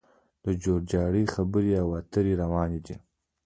د جوړجاړي خبرې او اترې روانې دي